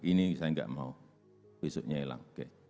ini saya enggak mau besoknya hilang oke